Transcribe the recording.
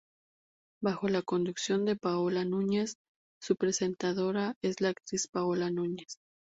Bajo la conducción de Paola Núñez, Su presentadora es la actriz Paola Núñez.